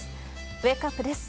ウェークアップです。